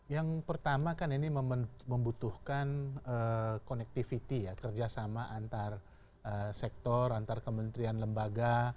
yang pertama kan ini membutuhkan connectivity ya kerjasama antar sektor antar kementerian lembaga